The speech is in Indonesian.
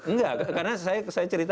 nggak karena saya cerita